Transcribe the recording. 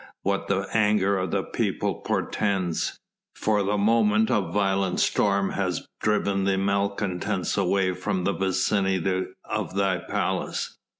what the anger of the people portends. For the moment a violent storm has driven the malcontents away from the vicinity of thy palace.